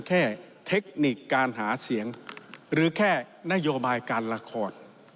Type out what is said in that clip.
เทคนิคการหาเสียงหรือแค่นโยบายการละคร